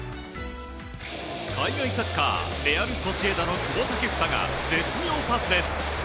海外サッカーレアル・ソシエダの久保建英が絶妙パスです。